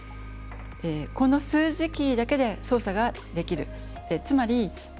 この数字キーだけで操作ができる。